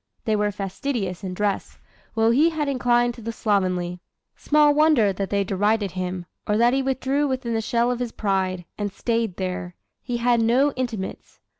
They were fastidious in dress, while he had inclined to the slovenly. Small wonder that they derided him, or that he withdrew within the shell of his pride and stayed there. He had no intimates.